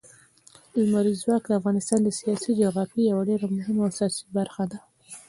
لمریز ځواک د افغانستان د سیاسي جغرافیې یوه ډېره مهمه او اساسي برخه ده.